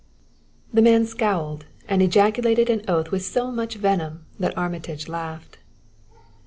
The man scowled and ejaculated an oath with so much venom that Armitage laughed.